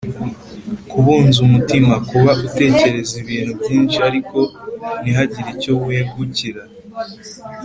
kubunza umutima: kuba utekereza ibintu byinshi ariko ntihagire icyo wegukira